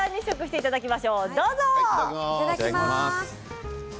いただきます。